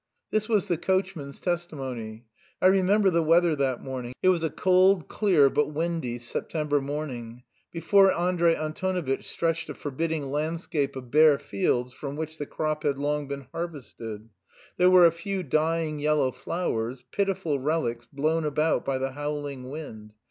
This was the coachman's testimony. I remember the weather that morning: it was a cold, clear, but windy September day; before Andrey Antonovitch stretched a forbidding landscape of bare fields from which the crop had long been harvested; there were a few dying yellow flowers, pitiful relics blown about by the howling wind.